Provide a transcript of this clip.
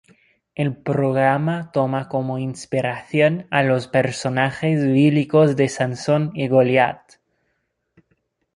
El programa toma como inspiración a los personajes bíblicos de Sansón y Goliat.